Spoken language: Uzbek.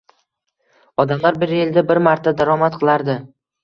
Odamlar bir yilda bir marta daromad qilardi.